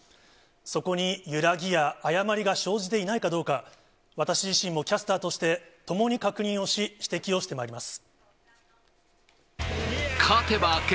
そこに揺らぎや誤りが生じていないかどうか、私自身もキャスターとして共に確認をし、指摘をしてまいります。